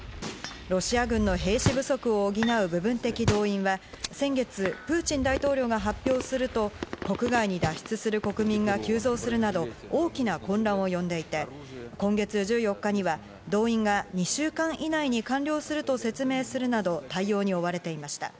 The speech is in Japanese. ロシア軍の兵士不足を補う部分的動員は先月、プーチン大統領が発表すると国外に脱出する国民が急増するなど大きな混乱を呼んでいて、今月１４日には動員が２週間以内に完了すると説明するなど対応に追われていました。